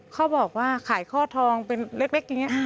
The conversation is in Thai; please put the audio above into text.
เขาบอกว่าขายข้อทองเป็นเล็กอย่างนี้